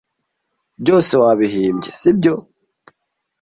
Byose wabihimbye, sibyo?